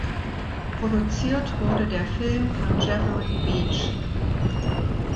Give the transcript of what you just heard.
Produziert wurde der Film von Jeffery Beach.